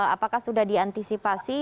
apakah sudah diantisipasi